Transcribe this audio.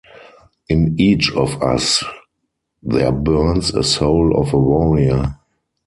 In each of us there burns a soul of a warrior.